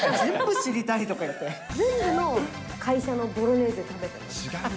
全部の会社のボロネーゼ食べてます。